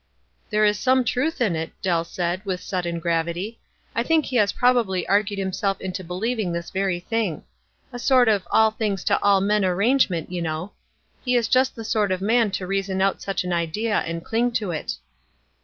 "There is some truth in it," Dell said, with sudden gravity. " I think he ffas probably ar gued himself into believing this very thing. A sort of ? all things to all men ' arrangement, you know. He is just the sort of man to reason out such an idea and cling to it."